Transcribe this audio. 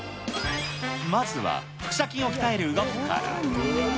まずは腹斜筋を鍛える動きから。